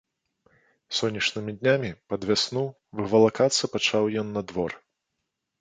Сонечнымі днямі, пад вясну, вывалакацца пачаў ён на двор.